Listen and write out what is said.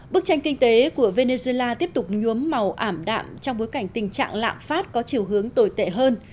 bức tranh kinh tế của venezuela tiếp tục nhuốm màu ảm đạm trong bối cảnh tình trạng lạm phát có chiều hướng tồi tệ hơn